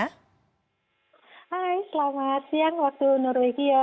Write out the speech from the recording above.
hai selamat siang waktu norwegia